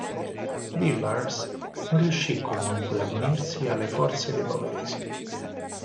Villars non riuscì comunque ad unirsi alle forze dei bavaresi.